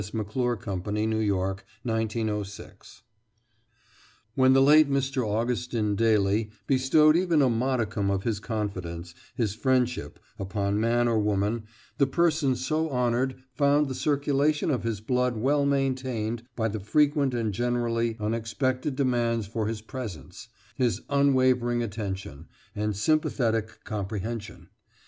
McClure Company, New York, 1906.] When the late Mr. Augustin Daly bestowed even a modicum of his confidence, his friendship, upon man or woman, the person so honoured found the circulation of his blood well maintained by the frequent and generally unexpected demands for his presence, his unwavering attention, and sympathetic comprehension.